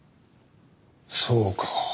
そうか。